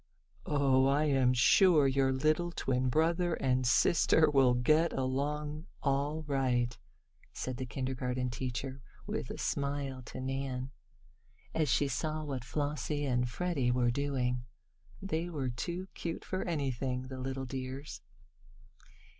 "Oh, I am sure your little twin brother and sister will get along all right," said the kindergarten teacher, with a smile to Nan, as she saw what Flossie and Freddie were doing. "They are too cute for anything the little dears!"